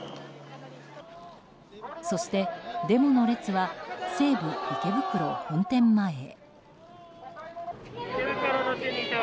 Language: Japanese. そして、デモの列は西武池袋本店前へ。